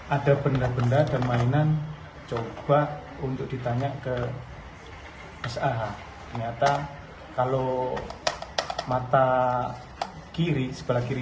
ada benda benda dan mainan coba untuk ditanya ke sah ternyata kalau mata kiri sebelah kiri